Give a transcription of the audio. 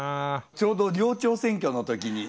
ちょうど寮長選挙の時に。